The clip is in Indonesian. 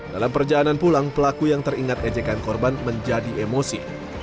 dalam perjalanan pulang pelaku yang teringat ejekan korban menjadi emosi